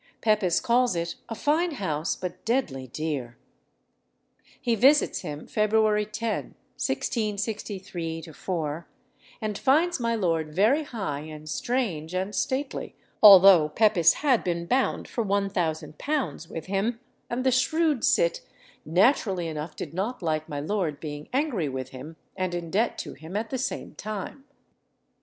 Pepys calls it "a fine house, but deadly dear." He visits him, February 10, 1663 4, and finds my lord very high and strange and stately, although Pepys had been bound for £1000 with him, and the shrewd cit naturally enough did not like my lord being angry with him and in debt to him at the same time.